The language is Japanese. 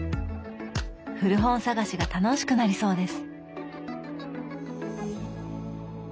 古本探しが楽しくなりそうです。